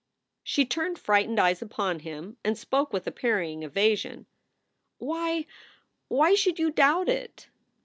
She turned frightened eyes upon him and spoke with a parrying evasion: "Why, why should you doubt it?"